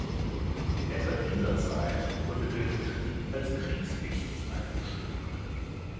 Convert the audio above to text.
In etwa dieser Zeit wurde der Betrieb als kriegswichtig eingestuft.